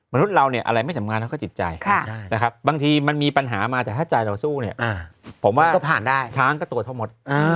มนุษย์เราเนี่ยอะไรไม่สำคัญเขาก็จิตใจนะครับบางทีมันมีปัญหามาแต่ถ้าใจเราสู้เนี่ยผมว่าก็ผ่านได้ช้างก็ตัวเท่ามด